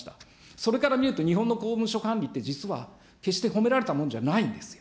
それから見ると、日本の公文書管理って、実は決して褒められたものじゃないんですよ。